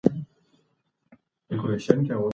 رابعه پرون خبرې وکړې.